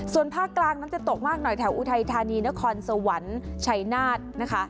ส่วนภาคกลางนั้นจะตกมากหน่อยแถวอุทัยธานีนครสวรรค์ชัยนาธนะคะ